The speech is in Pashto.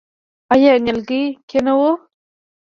آیا نیالګی کینوو؟